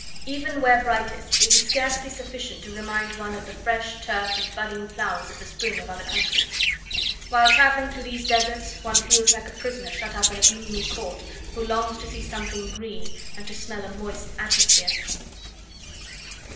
Even where brightest, it was scarcely sufficient to remind one of the fresh turf and budding flowers of the spring of other countries. While travelling through these deserts one feels like a prisoner shut up in a gloomy court, who longs to see something green and to smell a moist atmosphere.